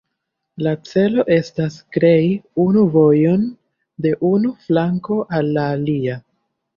La celo estas krei unu vojon de unu flanko al la alia.